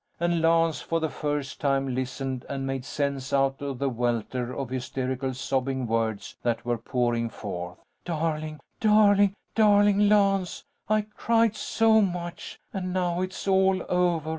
And Lance, for the first time, listened and made sense out of the welter of hysterical sobbing words that were pouring forth: "Darling, darling, darling Lance! I cried so much, and now it's all over.